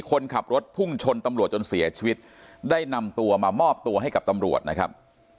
คนขับรถพุ่งชนตำรวจจนเสียชีวิตได้นำตัวมามอบตัวให้กับตำรวจนะครับ